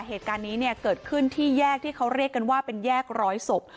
เหตุการณ์นี้เนี่ยเกิดขึ้นที่แยกที่เขาเรียกกันว่าเป็นแยกร้อยศพ